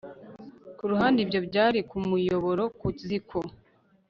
Kuruhande ibyo byari kumuyobora ku ziko